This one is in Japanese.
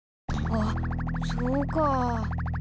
あっそうか。